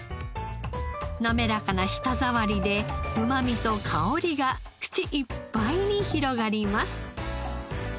滑らかな舌触りでうまみと香りが口いっぱいに広がります。